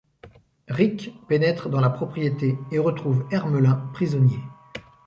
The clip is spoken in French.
Ric pénètre dans la propriété et retrouve Hermelin, prisonnier.